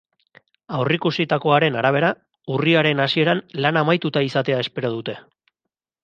Aurreikusitakoaren arabera, urriaren hasieran lana amaituta izatea espero dute.